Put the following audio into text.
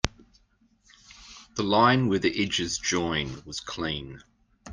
The line where the edges join was clean.